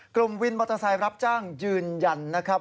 วินมอเตอร์ไซค์รับจ้างยืนยันนะครับ